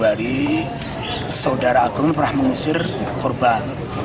jadi saudara agung pernah mengusir korban